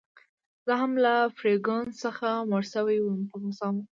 زه هم له فرګوسن څخه موړ شوی وم، په غوسه وم.